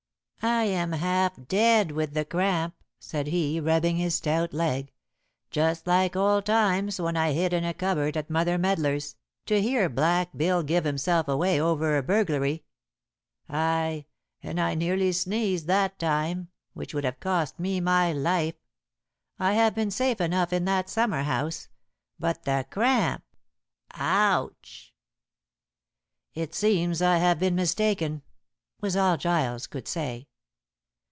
"I am half dead with the cramp," said he, rubbing his stout leg, "just like old times when I hid in a cupboard at Mother Meddlers, to hear Black Bill give himself away over a burglary. Ay, and I nearly sneezed that time, which would have cost me my life. I have been safe enough in that summer house but the cramp owch!" "It seems I have been mistaken," was all Giles could say.